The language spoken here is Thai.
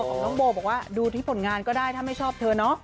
ของน้องโบบอกว่าดูที่ผลงานก็ได้ถ้าไม่ชอบเธอเนาะ